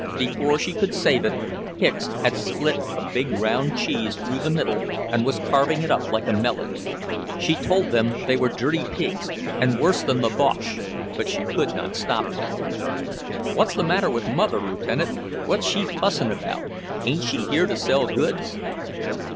Before she could save it, Hicks had split a big round cheese through the middle and was carving it up like a melon. She told them they were dirty pigs and worse than the Boches, but she could not stop them. "What's the matter with Mother, Lieutenant? What's she fussing about? Ain't she here to sell goods?"